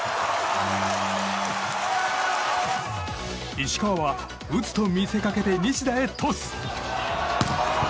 石川は打つと見せかけて西田へトス。